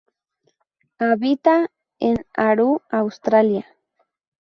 Habita en Aru, Australia.